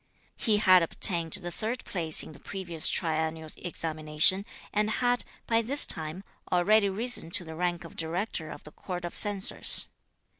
He had obtained the third place in the previous triennial examination, and had, by this time, already risen to the rank of Director of the Court of Censors.